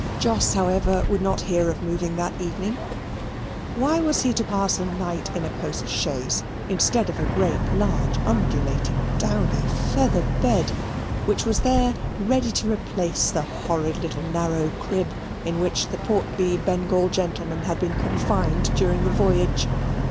Jos, however, would not hear of moving that evening. Why was he to pass a night in a post chaise instead of a great large undulating downy feather bed which was there ready to replace the horrid little narrow crib in which the portly Bengal gentleman had been confined during the voyage?